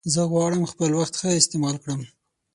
زه غواړم خپل وخت ښه استعمال کړم.